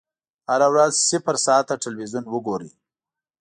هره ورځ صفر ساعته ټلویزیون وګورئ.